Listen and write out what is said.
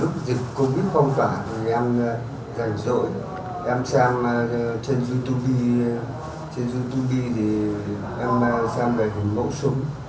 trên youtube thì em sang về hình mẫu súng